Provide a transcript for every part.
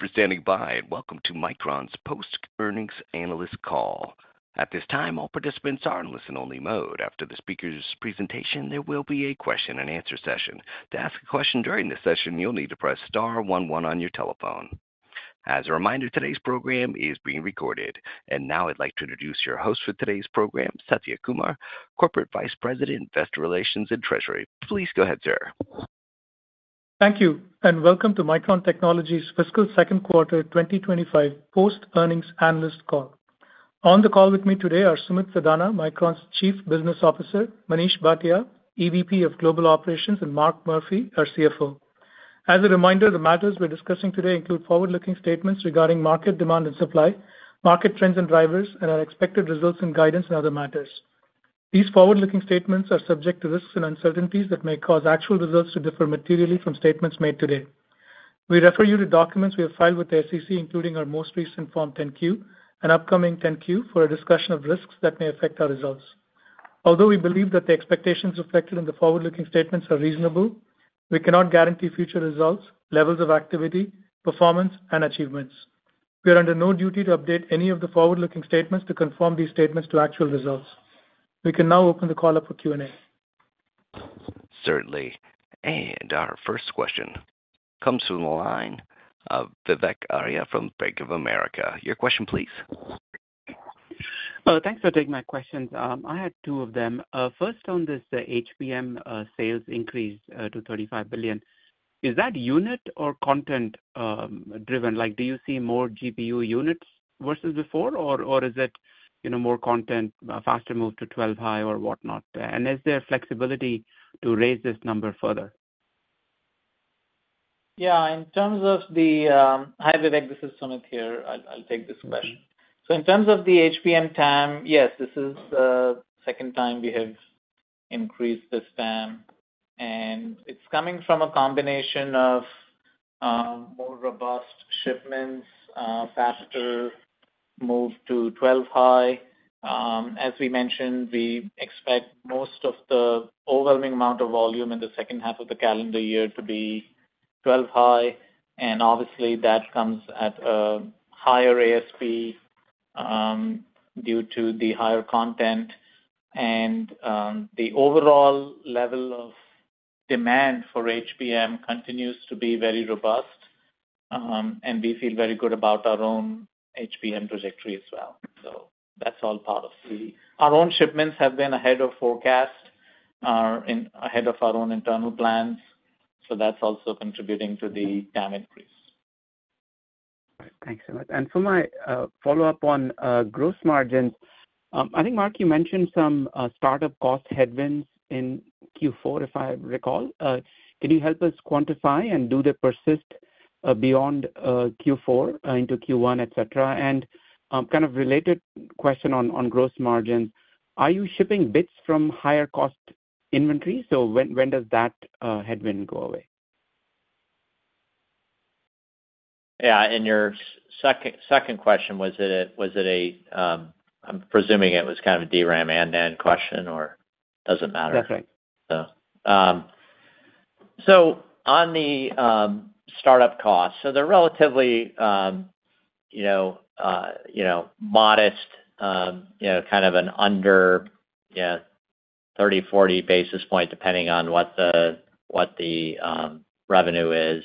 Thank you for standing by and welcome to Micron's post-earnings analyst call. At this time, all participants are in listen-only mode. After the speaker's presentation, there will be a question and answer session. To ask a question during the session, you'll need to press star one one on your telephone. As a reminder, today's program is being recorded. Now I'd like to introduce your host for today's program, Satya Kumar, Corporate Vice President, Investor Relations and Treasury. Please go ahead, sir. Thank you and welcome to Micron Technology's Fiscal Second Quarter 2025 Post-Earnings Analyst Call. On the call with me today are Sumit Sadana, Micron's Chief Business Officer, Manish Bhatia, EVP of Global Operations, and Mark Murphy, our CFO. As a reminder, the matters we're discussing today include forward-looking statements regarding market demand and supply, market trends and drivers, and our expected results and guidance and other matters. These forward-looking statements are subject to risks and uncertainties that may cause actual results to differ materially from statements made today. We refer you to documents we have filed with the SEC, including our most recent Form 10-Q and upcoming 10-Q for a discussion of risks that may affect our results. Although we believe that the expectations reflected in the forward-looking statements are reasonable, we cannot guarantee future results, levels of activity, performance and achievements. We are under no duty to update any of the forward-looking statements to conform these statements to actual results. We can now open the call up for Q&A. Certainly. Our first question comes from the line Vivek Arya from Bank of America. Your question please. Thanks for taking my questions. I had two of them. First on this HBM sales increase to $35 billion. Is that unit or content driven? Like do you see more GPU units versus before or is it, you know, more content, faster move to 12-high or whatnot? And is there flexibility to raise this number further? Yeah, in terms of the. Hi Vivek, this is Sumit here. I'll take this question. In terms of the HBM TAM, yes, this is the second time we have increased this TAM and it's coming from a combination of more robust shipments, faster move to 12-high. As we mentioned, we expect most of the overwhelming amount of volume in the second half of the calendar year to be 12-high. Obviously that comes at a higher ASP due to the higher content and the overall level of demand for HBM continues to be very robust and we feel very good about our own HBM trajectory as well. That is all part of our own shipments have been ahead of forecast ahead of our own internal plans. That is also contributing to the demand increase. Thanks so much. For my follow up on gross margins, I think Mark, you mentioned some startup cost headwinds in Q4 if I recall. Can you help us quantify and do they persist beyond Q4 into Q1, et cetera. Kind of related question on gross margins, are you shipping bits from higher cost inventory? When does that headwind go away? Yeah. In your second question, was it presuming it was kind of a DRAM NAND question or doesn't matter. That's right. On the startup costs, they're relatively, you know, modest, you know, kind of an under, yeah, 30-40 basis point depending on what the revenue is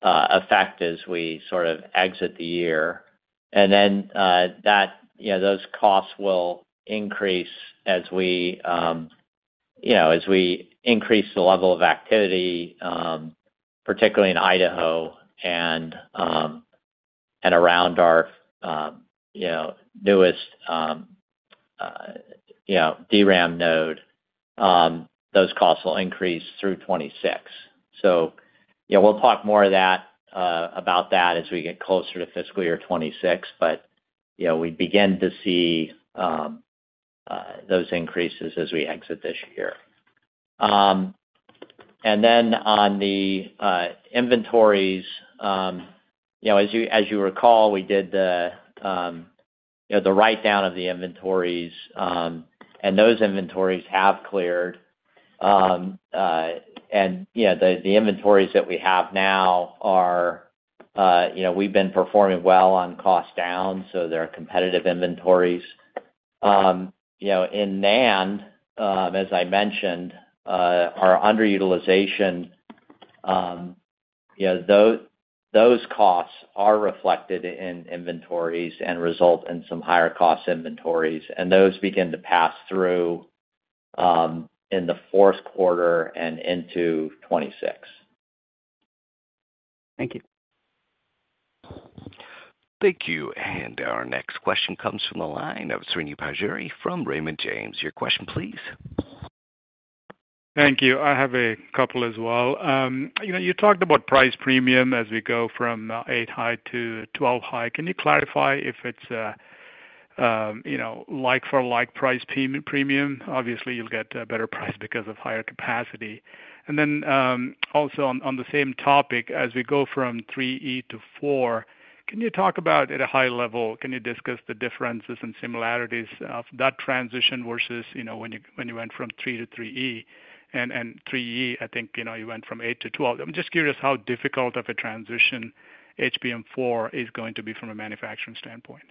effect as we sort of exit the year, and then that, you know, those costs will increase as we, you know, as we increase the level of activity, particularly in Idaho and around our, you know, newest, you know, DRAM node. Those costs will increase through 2026. We will talk more about that as we get closer to fiscal year 2026. We begin to see those increases as we exit this year. On the inventories, as you recall, we did the write-down of the inventories, and those inventories have cleared, and the inventories that we have now are, we've been performing well on cost down. So there are competitive inventories in NAND. As I mentioned our underutilization, those costs are reflected in inventories and result in some higher cost inventories, and those begin to pass through in the fourth quarter and into 2026. Thank you. Thank you. Our next question comes from the line of Srini Pajjuri from Raymond James. Your question please. Thank you. I have a couple as well. You talked about price premium as we go from 8-high to 12-high. Can you clarify if it's like for like price premium? Obviously you'll get better price because of higher capacity. Also on the same topic as we go from 3E to 4, can you talk about at a high level, can you discuss the differences and similarities of that transition versus, you know, when you went from 3 to 3E? And 3E, I think, you know, you went from 8 to 12. I'm just curious how difficult of a transition HBM4 is going to be from a manufacturing standpoint.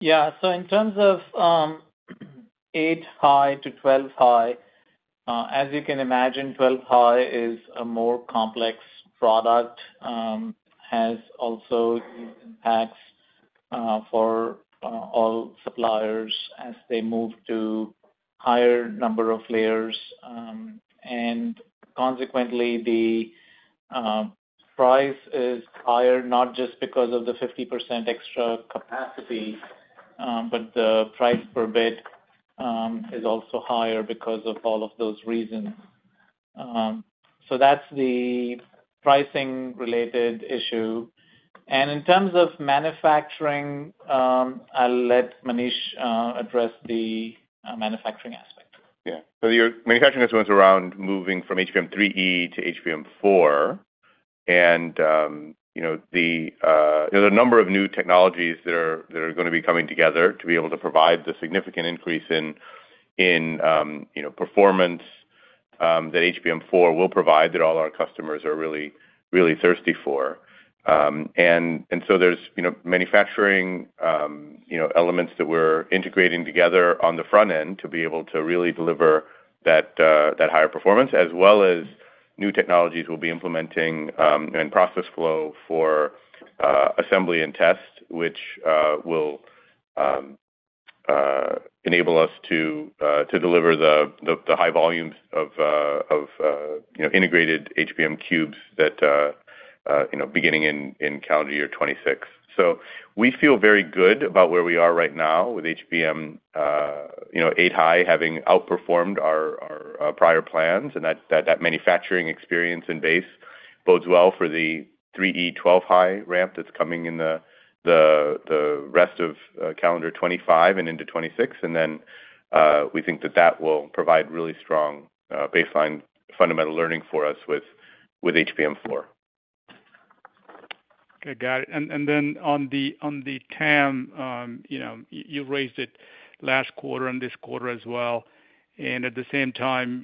Yeah. In terms of 8-high to 12-high, as you can imagine, 12-high is a more complex product. It has also tax for all suppliers as they move to higher number of layers, and consequently the price is higher. Not just because of the 50% extra capacity, but the price per bit is also higher because of all of those reasons. That is the pricing related issue. In terms of manufacturing, I'll let Manish address the manufacturing aspect. Yeah, so your manufacturing has been around moving from HBM3E to HBM4 and, you know, a number of new technologies that are going to be coming together to be able to provide the significant increase in, you know, performance that HBM4 will provide that all our customers are really, really thirsty for. There are manufacturing elements that we're integrating together on the front end to be able to really deliver that higher performance as well as new technologies we'll be implementing in process flow for assembly and test, which will enable us to deliver the high volumes of integrated HBM cubes beginning in calendar year 2026. We feel very good about where we are right now with HBM 8-high, having outperformed our prior plans. That manufacturing experience and base bodes well for the 3E 12-high ramp that is coming in the rest of calendar 2025 and into 2026. We think that will provide really strong baseline fundamental learning for us with HBM4. Okay, got it. On the TAM, you know, you raised it last quarter and this quarter as well. At the same time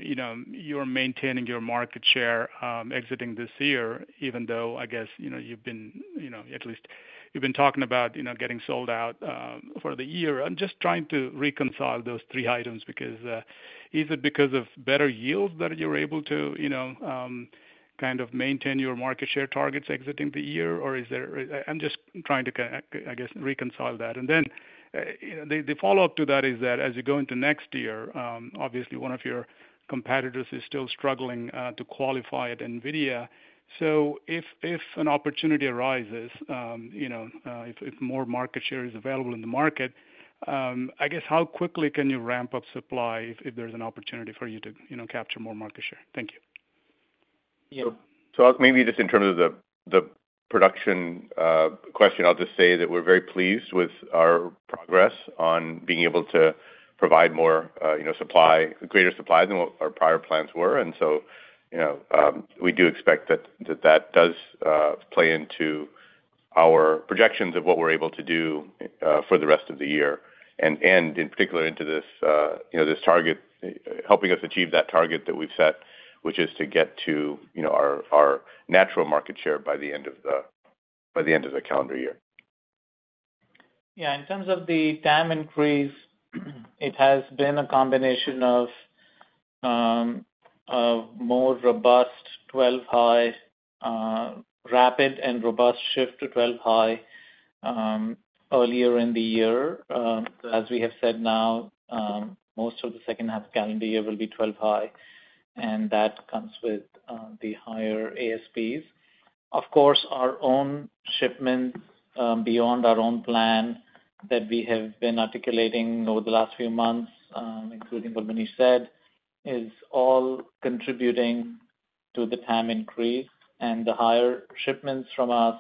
you're maintaining your market share exiting this year, even though I guess you've been, at least you've been talking about getting sold out for the year. I'm just trying to reconcile those three items because is it because of better yields that you're able to kind of maintain your market share targets exiting the year or is there, I'm just trying to, I guess, reconcile that. The follow up to that is that as you go into next year, obviously one of your competitors is still struggling to qualify at NVIDIA. If an opportunity arises, if more market share is available in the market, I guess how quickly can you ramp up supply if there's an opportunity for you to capture more market share? Thank you. Maybe just in terms of the production question, I'll just say that we're very pleased with our progress on being able to provide more supply, greater supply than what our prior plans were. We do expect that that does play into our projections of what we're able to do for the rest of the year and in particular into this, you know, this target helping us achieve that target that we've set, which is to get to, you know, our natural market share by the end of the calendar year. Yeah, in terms of the TAM increase, it has been a combination of more robust 12-high. Rapid and robust shift to 12-high earlier in the year. As we have said now, most of the second half calendar year will be 12-high. That comes with the higher ASPs. Of course, our own shipments beyond our own plan that we have been articulating over the last few months, including what Manish said, is all contributing to the TAM increase and the higher shipments from us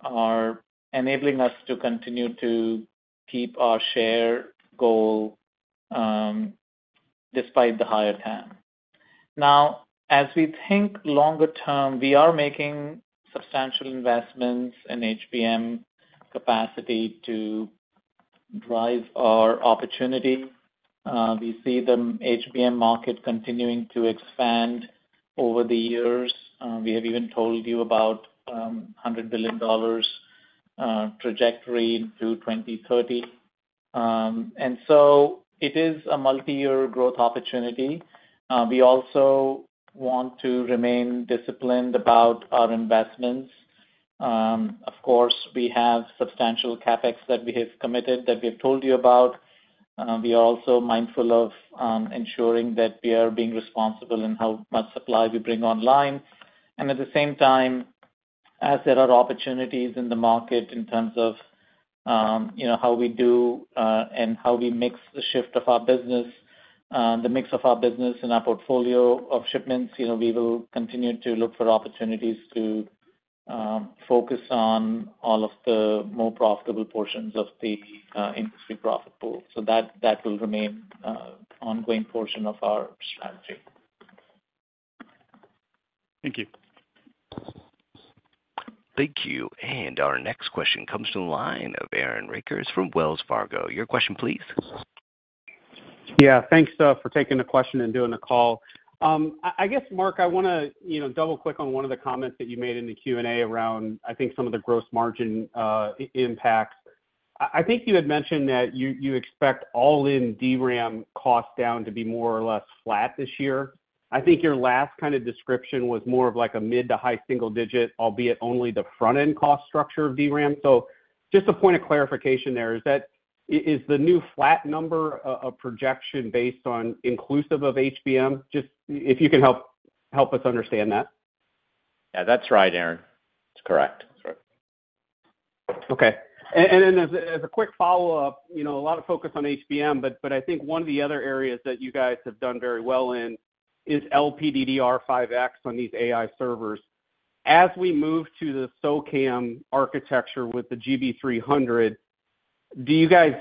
are enabling us to continue to keep our share goal despite the higher TAM. Now, as we think longer term, we are making substantial investments in HBM capacity to drive our opportunity. We see the HBM market continuing to expand over the years. We have even told you about $100 billion trajectory to 2030. It is a multi-year growth opportunity. We also want to remain disciplined about our investments. Of course we have substantial CapEx that we have committed that we have told you about. We are also mindful of ensuring that we are being responsible in how much supply we bring online. At the same time as there are opportunities in the market in terms of how we do and how we mix the shift of our business, the mix of our business and our portfolio of shipments, we will continue to look for opportunities, focus on all of the more profitable portions of the industry profit pool. That will remain ongoing portion of our strategy. Thank you. Thank you. Our next question comes to the line of Aaron Rakers from Wells Fargo. Your question please. Yeah, thanks for taking the question and doing the call, I guess. Mark, I want to double click on one of the comments that you made. In the Q&A around. I think some of the gross margin impacts, I think you had mentioned that you expect all in DRAM costs down to be more or less flat this year. I think your last kind of description was more of like a mid to high single digit, albeit only the front end cost structure of DRAM. Just a point of clarification, is the new flat number a projection based on inclusive of HBM. Just if you can help us understand that. Yeah, that's right, Aaron, it's correct. Okay, and then as a quick follow-up, you know a lot of focus on HBM, but I think one of. The other areas that you guys have. Done very well in is LPDDR5X on these AI servers. As we move to the SOCAMM architecture with the GB300, do you guys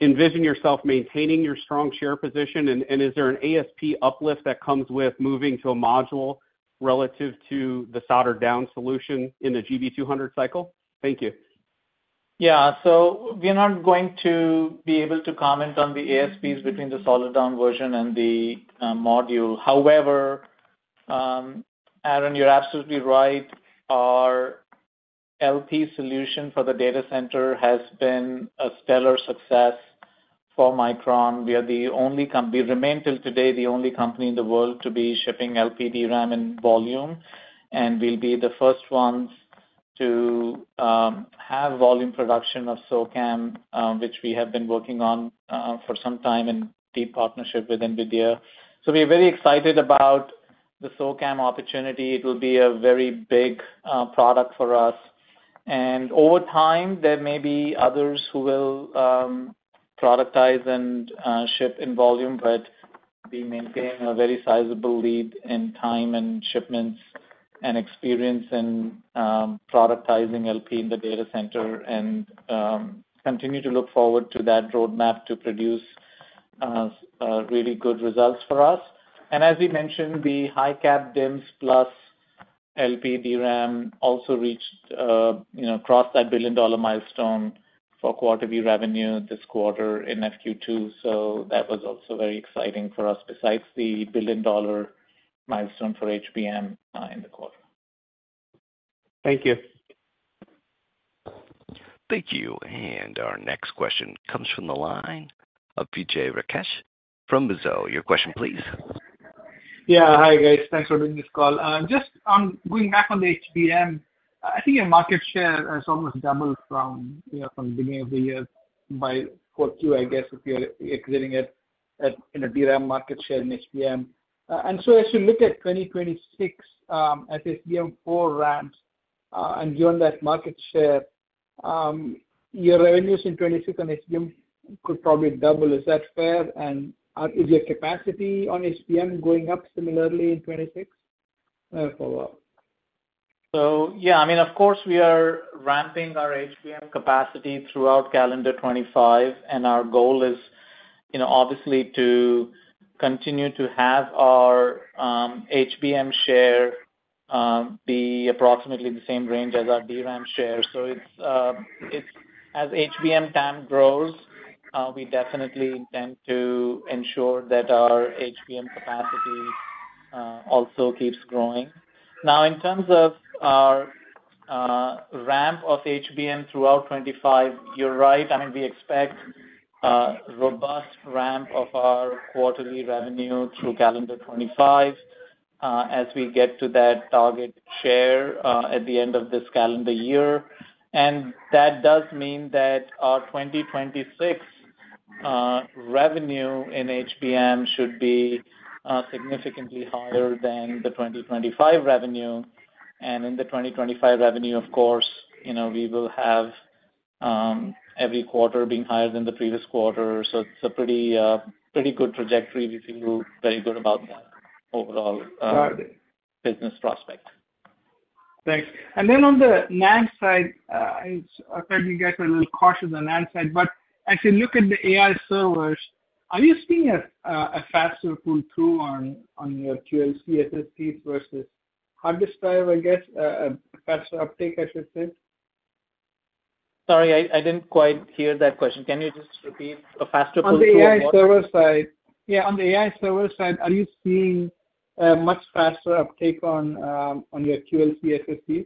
envision yourself maintaining your strong share position? Is there an ASP uplift that comes with moving to a module relative to the soldered-down solution in the GB200 cycle. Thank you. Yeah, so we're not going to be able to comment on the ASPs between the soldered-down version and the module. However. Aaron, you're absolutely right. Our LP solution for the data center has been a stellar success for Micron. We are the only company, remain till today the only company in the world to be shipping LPDRAM in volume. We will be the first ones to have volume production of SOCAMM, which we have been working on for some time in deep partnership with NVIDIA. We are very excited about the SOCAMM opportunity. It will be a very big product for us and over time there may be others who will productize and ship in volume. We maintain a very sizable lead in time and shipments and experience in productizing LP in the data center and continue to look forward to that roadmap to produce really good results for us. As we mentioned, the high-cap DIMMs plus LPDRAM also reached, you know, crossed that billion dollar milestone for quarterly revenue this quarter in FQ2. That was also very exciting for us besides the billion dollar milestone for HBM in the quarter. Thank you. Thank you. Our next question comes from the line of Vijay Rakesh from Mizuho. Your question please. Yeah, hi guys, thanks for doing this call. Just going back on the HBM, I think your market share has almost doubled. From the beginning of the year by, I guess, if you're exiting it in. A DRAM market share in HBM. As you look at 2026 as HBM4 ramps and given that market share, your revenues in 2026 could probably double. Is that fair? Is your capacity on HBM going up similarly in 2026? Yeah, I mean of course we are ramping our HBM capacity throughout calendar 2025 and our goal is obviously to continue to have our HBM share be approximately the same range as our DRAM share. As HBM TAM grows, we definitely intend to ensure that our HBM capacity also keeps growing. Now, in terms of our ramp of HBM throughout 2025, you're right, I mean we expect robust ramp of our quarterly revenue through calendar 2025 as we get to that target share at the end of this calendar year. That does mean that our 2026 revenue in HBM should be significantly higher than the 2025 revenue. In the 2025 revenue, of course, you know, we will have every quarter being higher than the previous quarter. It's a pretty, pretty good trajectory. We feel very good about that overall business prospect. Thanks. On the NAND side, I thought you guys were a little cautious on the NAND side. As you look at the AI servers, are you seeing a faster pull through on your QLC SSD versus hard disk drive? I guess. Faster uptake, I should say. Sorry, I didn't quite hear that question. Can you just repeat it faster on. The AI server side? Yeah. On the AI server side, are you seeing much faster uptake on your QLC SSD?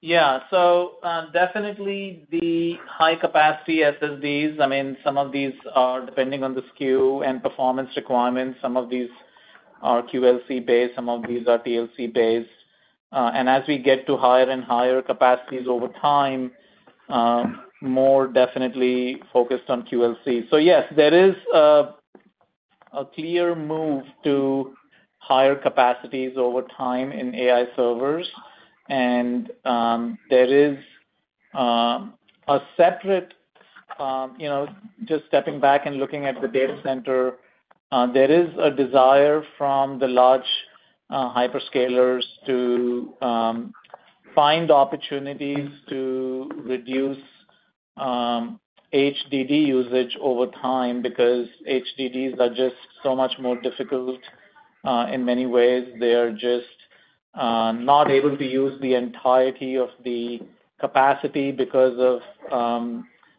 Yeah. So definitely the high capacity SSDs. I mean some of these are depending on the SKU and performance requirements, some of these are QLC based, some of these are TLC based. As we get to higher and higher capacities over time, more definitely focused on QLC. Yes, there is a clear move to higher capacities over time in AI servers and there is a separate, just stepping back and looking at the data center, there is a desire from the large hyperscalers to find opportunities to reduce HDD usage over time. Because HDDs are just so much more difficult in many ways. They are just not able to use the entirety of the capacity. Because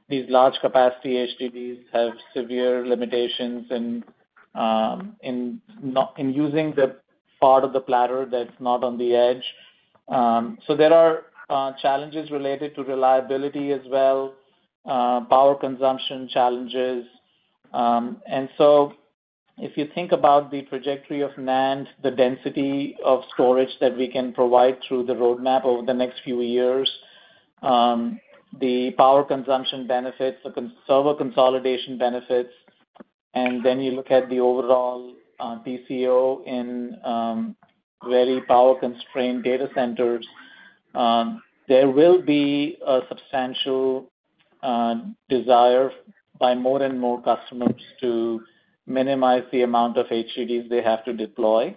these large capacity HDDs have severe limitations in using the part of the platter that's not on the edge. There are challenges related to reliability as well, power consumption challenges. If you think about the trajectory of NAND, the density of storage that we can provide through the roadmap over the next few years, the power consumption benefits, the server consolidation benefits, and then you look at the overall TCO in very power constrained data centers, there will be a substantial desire by more and more customers to minimize the amount of HDDs they have to deploy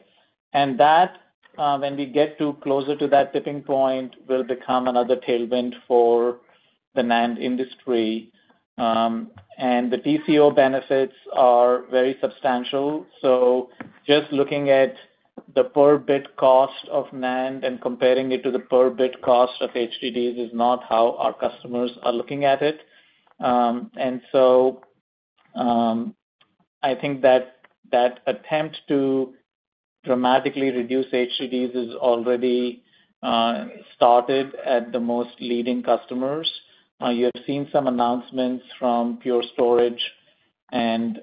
and that when we get closer to that tipping point will become another tailwind for the NAND industry. The TCO benefits are very substantial. Just looking at the per bit cost of NAND and comparing it to the per bit cost of HDDs is not how our customers are looking at it. I think that that attempt to dramatically reduce HDDs is already started at the most leading customers. You have seen some announcements from Pure Storage and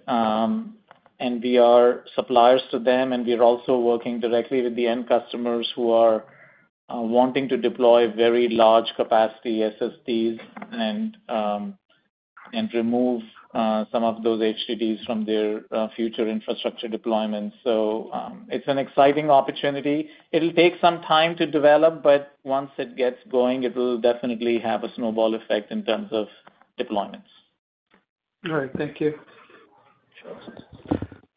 we are suppliers to them and we're also working directly with the end customers who are wanting to deploy very large capacity SSDs and remove some of those HDDs from their future infrastructure deployments. It is an exciting opportunity. It'll take some time to develop, but once it gets going it will definitely have a snowball effect in terms of deployments. All Right. Thank you.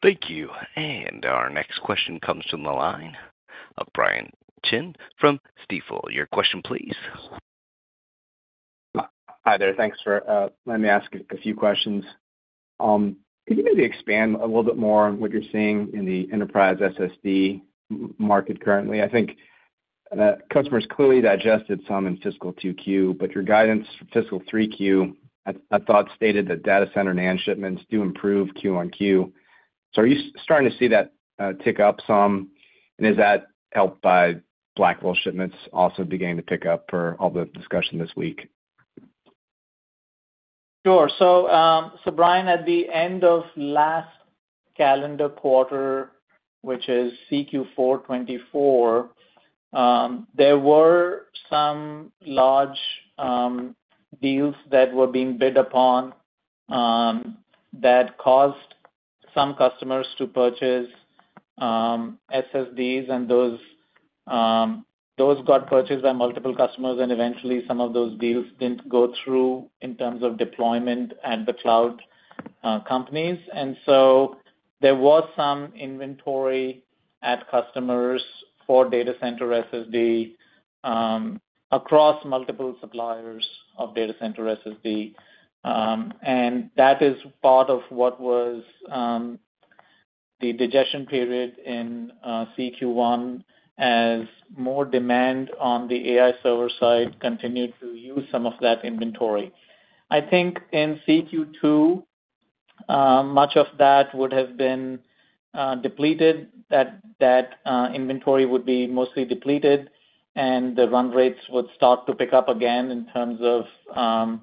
Thank you. Our next question comes from the line of Brian Chin from Stifel. Your question please. Hi there. Thanks for letting me ask a few questions. Could you maybe expand a little bit more on what you're seeing in the enterprise SSD market currently? I think customers clearly digested some in fiscal 2Q but your guidance fiscal 3Q I thought stated that data center NAND shipments do improve QonQ so are you starting to see that tick up some and is that helped by Blackwell shipments also began to pick up for all the discussion this week? Sure. Brian, at the end of last calendar quarter, which is CQ4 2024, there were some large deals that were being bid upon that caused some customers to purchase SSDs and those got purchased by multiple customers and eventually some of those deals did not go through in terms of deployment at the cloud companies. There was some inventory at customers for data center SSD across multiple suppliers of data center SSD and that is part of what was the digestion period in CQ1 as more demand on the AI server side continued to use some of that inventory. I think in CQ2 much of that would have been depleted, that inventory would be mostly depleted and the run rates would start to pick up again in terms of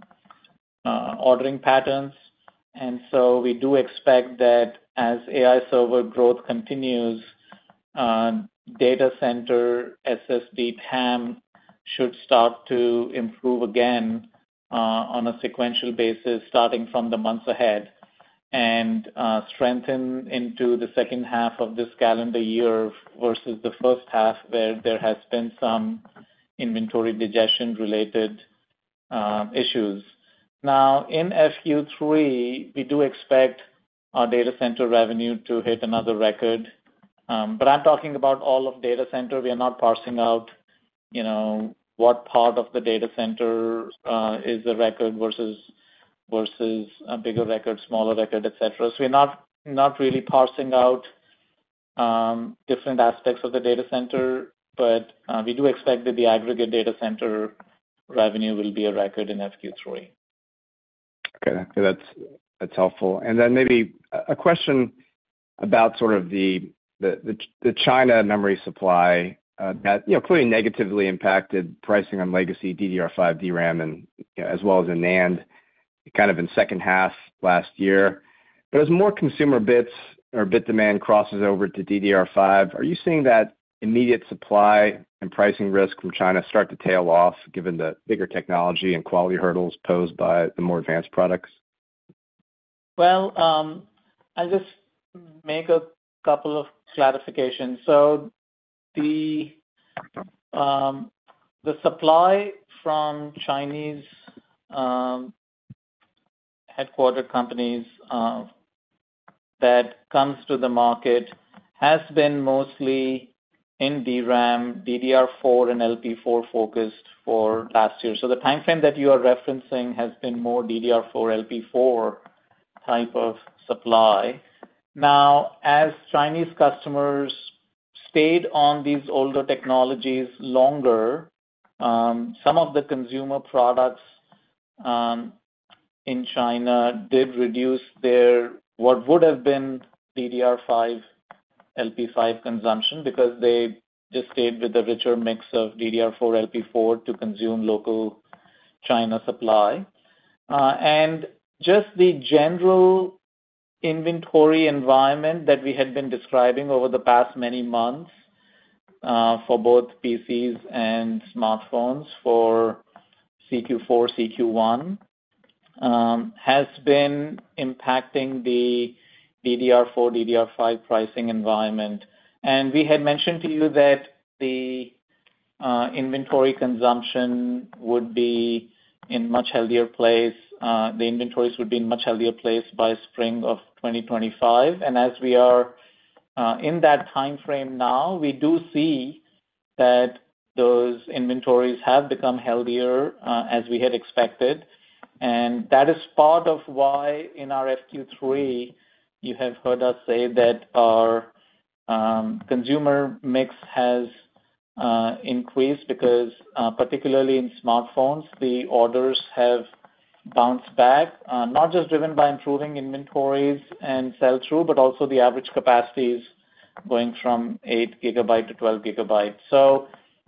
ordering patterns. We do expect that as AI server growth continues, data center SSD TAM should start to improve again on a sequential basis starting from the months ahead and strengthen into the second half of this calendar year versus the first half where there has been some inventory digestion related issues. In FQ3 we do expect our data center revenue to hit another record, but I'm talking about all of data center. We are not parsing out, you know, what part of the data center is the record versus a bigger record, smaller record, et cetera. We are not really parsing out different aspects of the data center, but we do expect that the aggregate data center revenue will be a record in FQ3. Okay, that's helpful. Maybe a question about sort of the China memory supply that clearly negatively impacted pricing on legacy DDR5 DRAM as well as NAND kind of in the second half last year. As more consumer bits or bit demand crosses over to DDR5, are you seeing that immediate supply and pricing risk from China start to tail off given the bigger technology and quality hurdles posed by the more advanced products? I'll just make a couple of clarifications. The supply from Chinese headquarter companies that comes to the market has been mostly in DRAM, DDR4 and LP4 focused for last year. The timeframe that you are referencing has been more DDR4 LP4 type of supply. Now, as Chinese customers stayed on these older technologies longer, some of the consumer products in China did reduce their what would have been DDR5 LP5 consumption because they just stayed with the richer mix of DDR4 LP4 to consume local China supply. Just the general inventory environment that we had been describing over the past many months for both PCs and smartphones for CQ4, CQ1 has been impacting the DDR4 DDR5 pricing environment. We had mentioned to you that the inventory consumption would be in a much healthier place, the inventories would be in a much healthier place by spring of 2025. As we are in that time frame now, we do see that those inventories have become healthier as we had expected. That is part of why in our FQ3 you have heard us say that our consumer mix has increased because particularly in smartphones, the orders have bounced back not just driven by improving inventories and sell through, but also the average capacities going from 8 GB to 12 GB.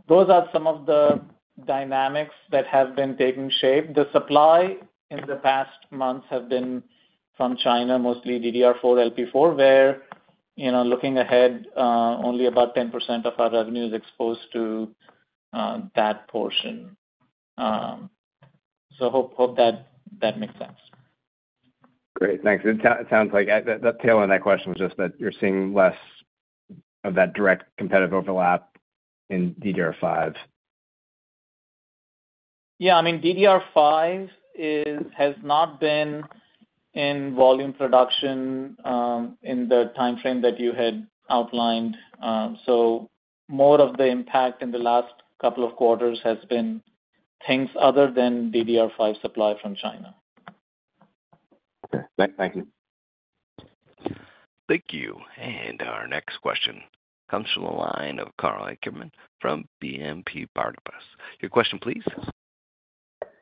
Those are some of the dynamics that have been taking shape. The supply in the past months has been from China, mostly DDR4, LP4 where, you know, looking ahead, only about 10% of our revenue is exposed to that portion. Hope that makes sense. Great, thanks. It sounds like the tail end of that question was just that you're seeing less of that direct competitive overlap in DDR5. Yeah, I mean DDR5 has not been in volume production in the time frame that you had outlined. More of the impact in the last couple of quarters has been things other than DDR5 supply from China. Thank you. Thank you. Our next question comes from the line of Karl Ackerman from BNP Paribas. Your question please.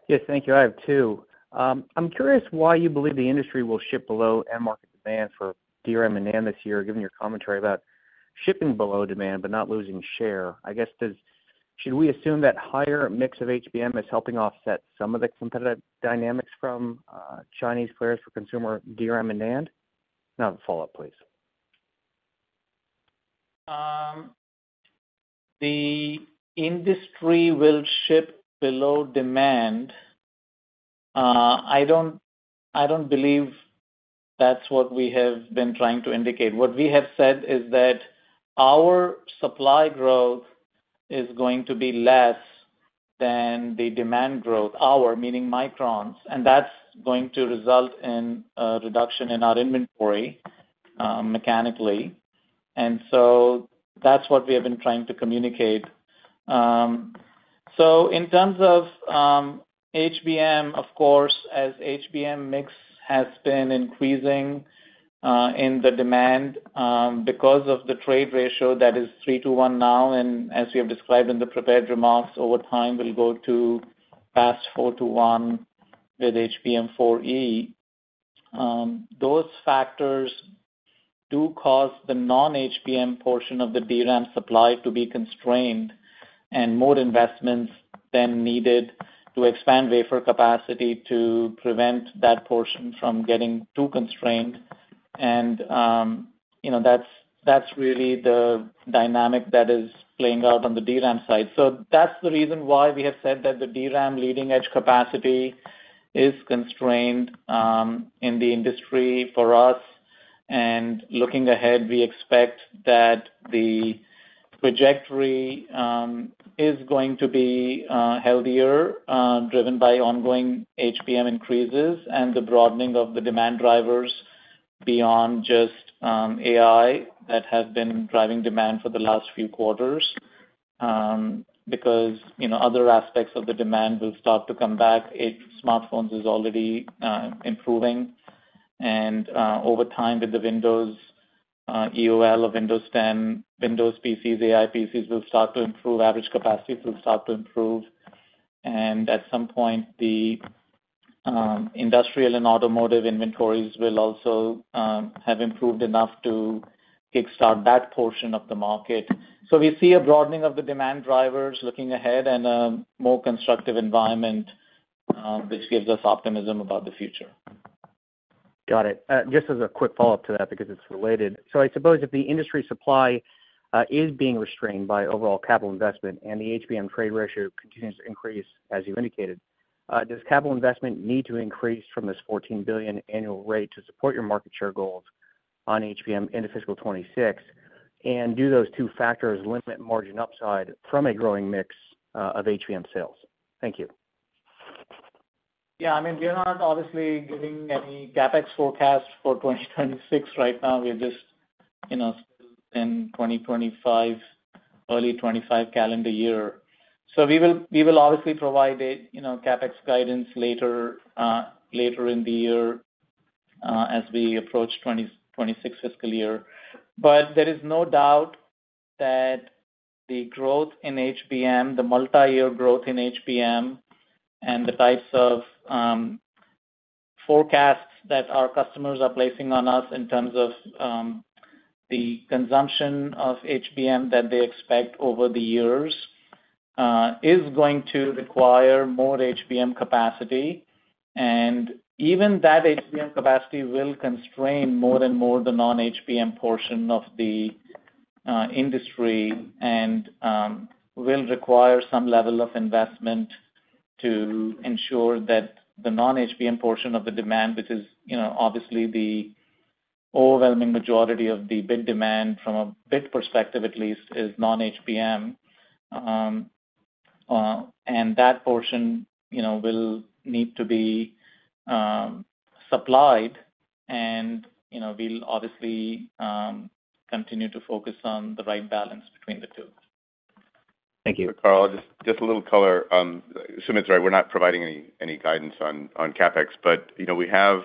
Yes, thank you. I have two. I'm curious why you believe the industry will ship below end. Market demand for DRAM and NAND this year. Given your commentary about shipping below demand. Not losing share, I guess, does. Should we assume that higher mix of? HBM is helping offset some of the competitive dynamics from Chinese players for consumer DRAM and NAND? Not a follow up please. The industry will ship below demand. I don't believe that's what we have been trying to indicate. What we have said is that our supply growth is going to be less than the demand growth, our meaning Micron's, and that's going to result in a reduction in our inventory mechanically. That is what we have been trying to communicate. In terms of HBM, of course, as HBM mix has been increasing in the demand because of the trade ratio that is three to one now and as we have described in the prepared remarks, over time will go to past four to one with HBM4E. Those factors do cause the non-HBM portion of the DRAM supply to be constrained and more investments than needed to expand wafer capacity to prevent that portion from getting too constrained. That is really the dynamic that is playing out on the DRAM side. That is the reason why we have said that the DRAM leading-edge capacity is constrained in the industry for us. Looking ahead, we expect that the trajectory is going to be healthier driven by ongoing HBM increases and the broadening of the demand drivers beyond just AI that have been driving demand for the last few quarters. Other aspects of the demand will start to come back. Smartphones is already improving and over time with the Windows EOL or Windows 10, Windows PCs, AI PCs will start to improve, average capacity will start to improve and at some point the industrial and automotive inventories will also have improved enough to kick start that portion of the market. We see a broadening of the demand drivers looking ahead and a more constructive environment which gives us optimism about the future. Got it. Just as a quick follow up to that because it's related. I suppose if the industry supply is being restrained by overall capital investment and the HBM trade ratio continues to increase as you indicated, does capital investment. Need to increase from this $14 billion. Annual rate to support your market share. Goals on HBM into fiscal 2026? Do those two factors limit margin upside from a growing mix of HBM sales? Thank you. Yeah, I mean we are not obviously giving any CapEx forecast for 2026 right now. We're just in 2025, early 2025 calendar year. We will obviously provide CapEx guidance later in the year as we approach 2026 fiscal year. There is no doubt that the growth in HBM, the multi-year growth in HBM and the types of forecasts that our customers are placing on us in terms of the consumption of HBM that they expect over the years is going to require more HBM capacity. Even that HBM capacity will constrain more and more the non-HBM portion of the industry and will require some level of investment to ensure that the non-HBM portion of the demand, which is obviously the overwhelming majority of the bit demand from a bit perspective at least, is non-HBM and that portion will need to be supplied and we'll obviously continue to focus on the right balance between the two. Thank you, Karl. Just a little color. Sumit's right. We're not providing any guidance on CapEx. We have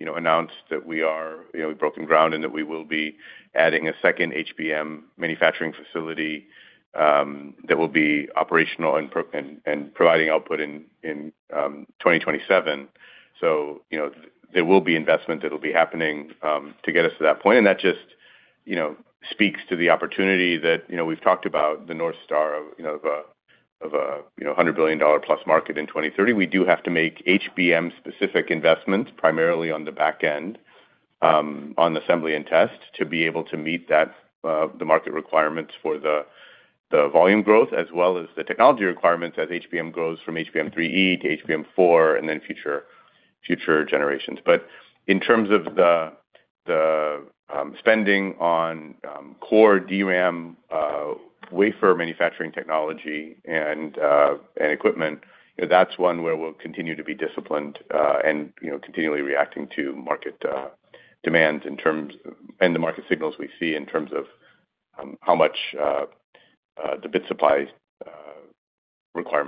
announced that we have broken ground and that we will be adding a second HBM manufacturing facility that will be operational and providing output in 2027. There will be investment that will be happening to get us to that point. That just speaks to the opportunity that we've talked about. The north star of $100 billion+ market in 2030. We do have to make HBM-specific investments primarily on the back end on assembly and test to be able to meet the market requirements for the volume growth as well as the technology requirements as HBM goes from HBM3E to HBM4 and then future generations. In terms of the spending on core DRAM wafer manufacturing technology and equipment, that's one where we'll continue to be disciplined and continually reacting to market demands in terms of the market signals we see in terms of how much the bit supply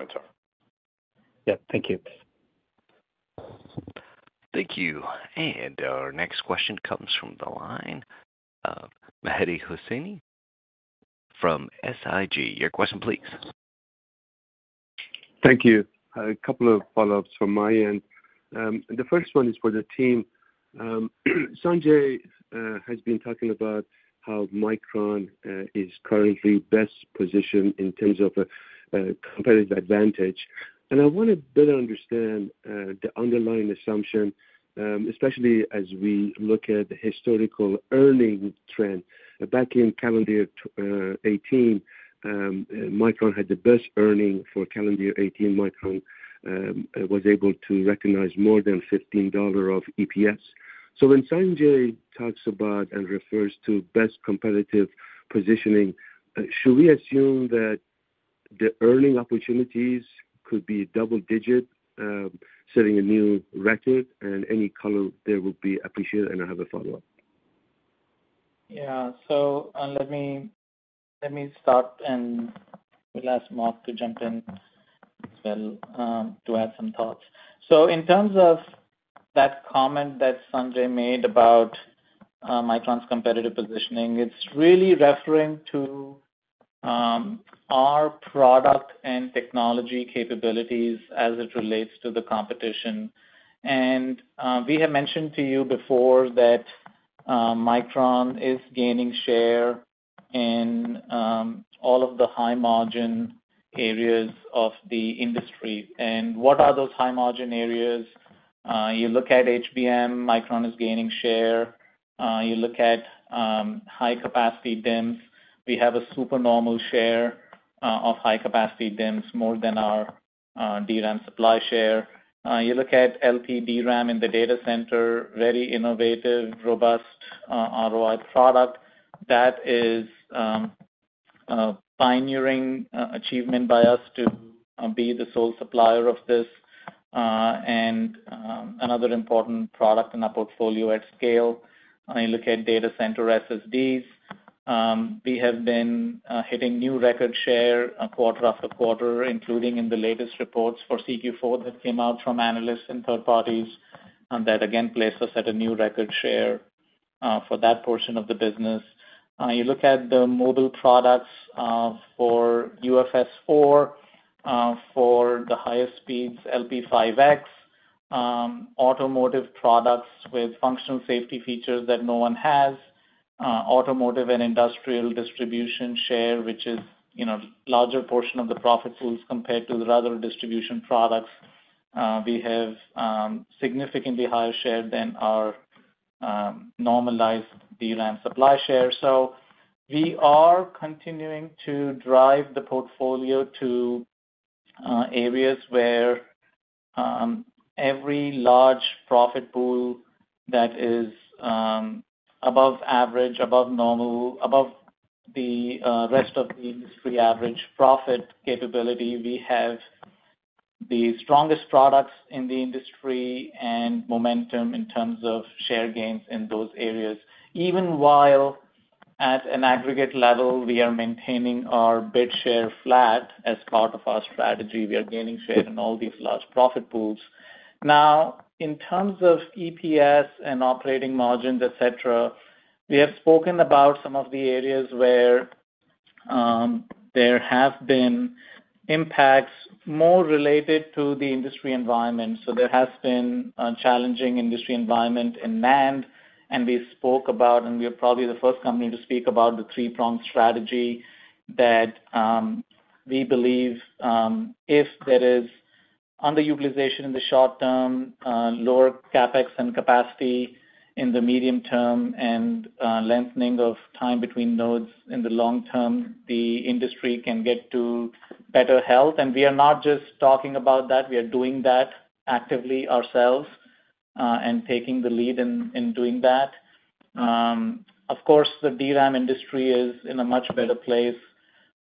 requirements are. Yeah. Thank you. Thank you. Our next question comes from the line of Mehdi Hosseini from SIG. Your question please. Thank you. A couple of follow ups from my end. The first one is for the team. Sanjay has been talking about how Micron is currently best positioned in terms of competitive advantage. I want to better understand the underlying assumption especially as we look at the historical earning trend. Back in calendar 2018, Micron had the best earning. For calendar year 2018, Micron was able to recognize more than $15 of EPS. When Sanjay talks about and refers to best competitive positioning, should we assume that the earning opportunities could be double digit, setting a new record and any color there would be appreciated. I have a follow up. Yeah. Let me start and we'll ask Mark to jump in to add some thoughts. In terms of that comment that Sanjay made about Micron's competitive positioning, it's really referring to our product and technology capabilities as it relates to the competition. We have mentioned to you before that Micron is gaining share in all of the high margin areas of the industry. What are those high margin areas? You look at HBM, Micron is gaining share. You look at high capacity DIMMs. We have a super normal share of high capacity DIMMs, more than our DRAM supply share. You look at LPDRAM in the data center, very innovative, robust ROI product that is pioneering achievement by us to be the sole supplier of this and another important product in our portfolio at scale. Look at data center SSDs. We have been hitting new record share quarter after quarter, including in the latest reports for CQ4 that came out from analysts and third parties that again place us at a new record share for that portion of the business. You look at the mobile products for UFS4 for the highest speeds, LP5X automotive products with functional safety features that no one has. Automotive and industrial distribution share, which is a larger portion of the profit pools compared to the other distribution products. We have significantly higher share than our normalized DRAM supply share. We are continuing to drive the portfolio to areas where every large profit pool that is above average, above normal, above the rest of the industry average profit capability, we have the strongest products in the industry and momentum in terms of share gains in those areas even while at an aggregate level we are maintaining our bid share flat. As part of our strategy we are gaining share in all these large profit pools. Now in terms of EPS and operating margins, et cetera, we have spoken about some of the areas where there have been impacts more related to the industry environment. There has been a challenging industry environment in manufacturing and we spoke about and we are probably the first company to speak about the three-pronged strategy that we believe if there is underutilization in the short term, lower CapEx and capacity in the medium term and lengthening of time between nodes in the long term, the industry can get to better health. We are not just talking about that. We are doing that actively ourselves and taking the lead in doing that. Of course, the DRAM industry is in a much better place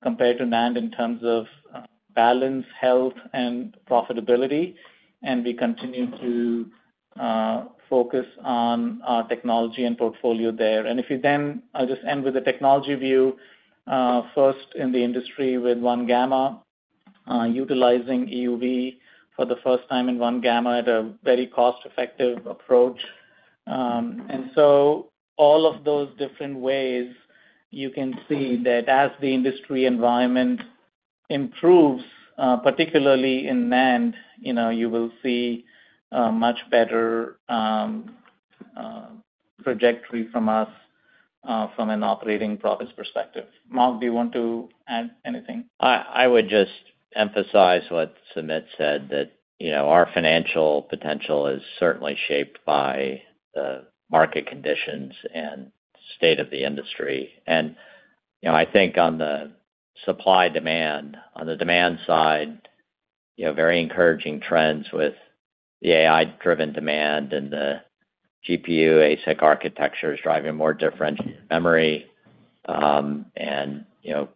compared to NAND in terms of balance, health, and profitability and we continue to focus on our technology and portfolio there. If you then, I'll just end with the technology view first in the industry with 1-gamma utilizing EUV for the first time in 1-gamma at a very cost-effective approach. All of those different ways you can see that as the industry environment improves, particularly in NAND, you will see much better trajectory from us from an operating profits perspective. Mark, do you want to. I would just emphasize what Sumit said that our financial potential is certainly shaped by the market conditions and state of the industry, and I think on the supply demand, on the demand side very encouraging trends with the AI driven demand and the GPU ASIC architecture is driving more differentiated memory and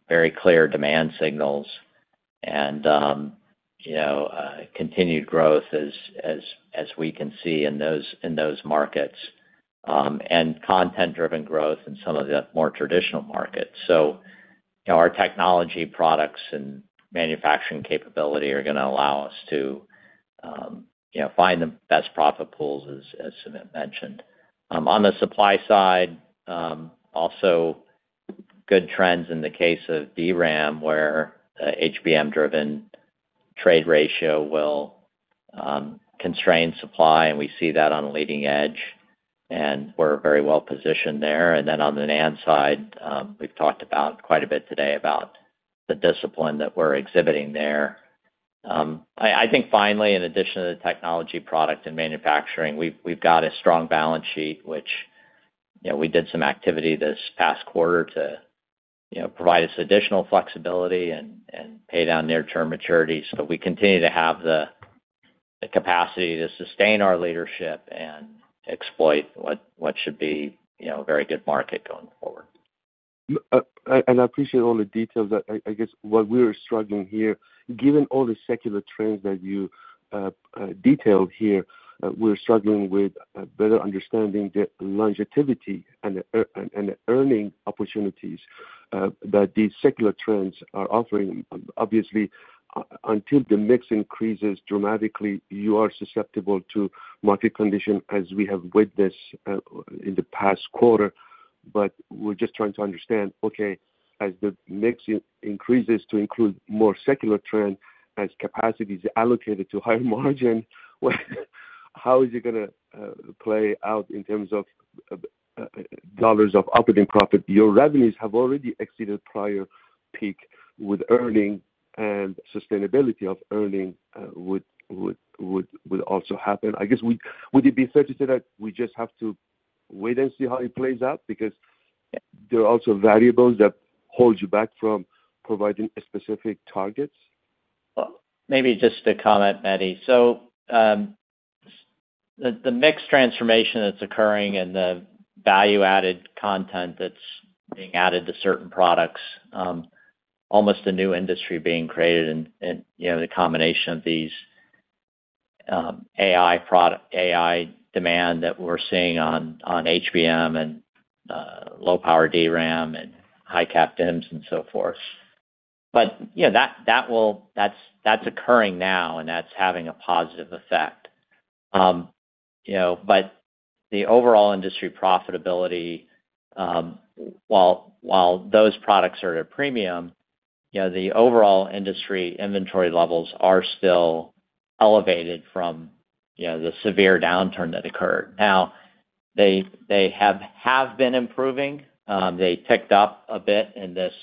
very clear demand signals and continued growth as we can see in those markets and content driven growth in some of the more traditional markets. Our technology, products, and manufacturing capability are going to allow us to find the best profit pools. As Sumit mentioned on the supply side also good trends in the case of DRAM where HBM driven trade ratio will constrain supply and we see that on a leading edge and we're very well positioned there. On the NAND side we've talked about quite a bit today about the discipline that we're exhibiting there. I think finally, in addition to the technology, product and manufacturing, we've got a strong balance sheet which we did some activity this past quarter to provide us additional flexibility and pay down near term maturities. We continue to have the capacity to sustain our leadership and exploit what should be a very good market going forward. I appreciate all the details. I guess what we are struggling here given all the secular trends that you detailed here. We're struggling with better understanding the longevity and earning opportunities that these secular trends are offering. Obviously until the mix increases dramatically, you are susceptible to market condition as we have witnessed in the past quarter. We're just trying to understand, okay, as the mix increases to include more secular trend as capacity is allocated to higher margin, how is it going to play out in terms of dollars of operating profit, your revenues have already exceeded prior peak with earning and sustainability of earning would also happen I guess. Would it be fair to say that we just have to wait and see how it plays out because there are also variables that hold you back from providing specific targets. Maybe just to comment Mehdi, so. The mix transformation that's occurring and the value added content that's being added to certain products, almost a new industry being created and the combination of these AI demand that we're seeing on HBM and low power DRAM and high-cap DIMMs and so forth. That's occurring now and that's having a positive effect. The overall industry profitability while those products are at a premium, the overall industry inventory levels are still elevated from the severe downturn that occurred. Now they have been improving, they ticked up a bit in this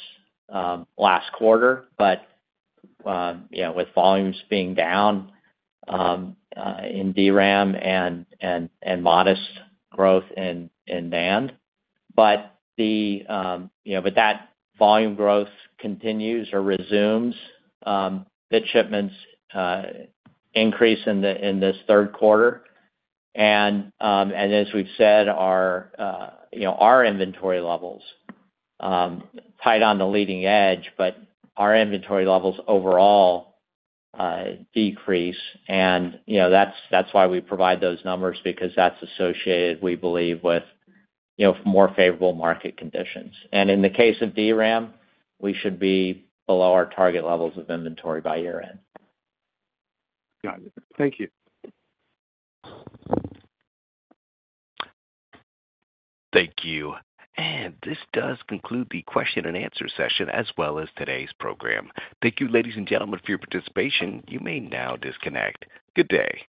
last quarter, with volumes being down in DRAM and modest growth in NAND, but that volume growth continues or resumes, bid shipments increase in this third quarter and as we've said, our inventory levels tight on the leading edge but our inventory levels overall decrease. That is why we provide those numbers because that is associated, we believe, with more favorable market conditions. In the case of DRAM, we should be below our target levels of inventory by year end. Got it. Thank you. Thank you. This does conclude the question and answer session as well as today's program. Thank you, ladies and gentlemen, for your participation. You may now disconnect. Good day.